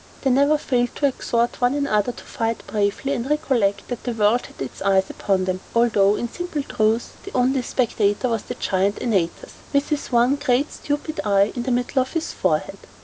They never failed to exhort one another to fight bravely, and recollect that the world had its eyes upon them; although, in simple truth, the only spectator was the Giant Antaeus, with his one, great, stupid eye in the middle of his forehead.